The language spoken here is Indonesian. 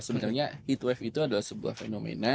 sebenarnya heatwave itu adalah sebuah fenomena